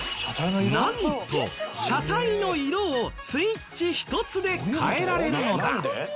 なんと車体の色をスイッチ１つで変えられるのだ！